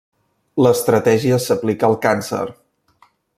L'estratègia s'aplica al càncer.